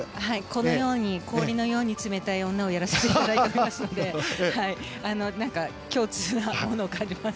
このように氷のように冷たい女をやらせていただいていますので共通のものを感じます。